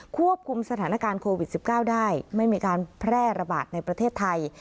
ควบคุมสถานการณ์โควิด๑๙ได้ไม่มีการแพร่ระบาดในประเทศไทย